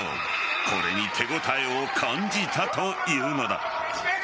これに手応えを感じたというのだ。